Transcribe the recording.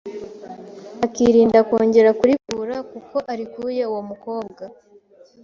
akirinda kongera kurikura kuko arikuye uwo mukobwa